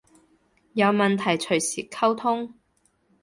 有問題隨時溝通